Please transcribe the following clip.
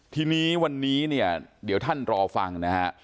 ทีนี้วันนี้เนี่ยเดี๋ยวท่านรอฟังนะฮะ